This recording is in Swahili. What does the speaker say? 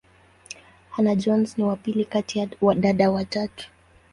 Hannah-Jones ni wa pili kati ya dada watatu.